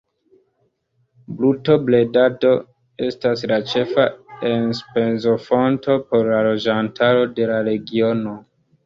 Brutobredado estas la ĉefa enspezofonto por la loĝantaro de la regiono.